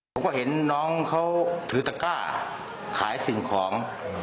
ผมก็เห็นน้องเขาถือตะกร้าขายสิ่งของ